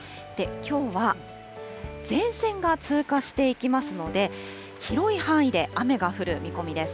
きょうは前線が通過していきますので、広い範囲で雨が降る見込みです。